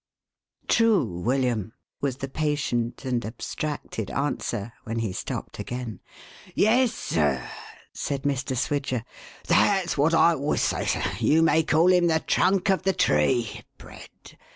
"True, William," was the patient and abstracted answer, when he stopped again. "Yes, sir," said Mr. Swidger. "That's what I always say, sir. You may call him the trunk of the tree !— Bread.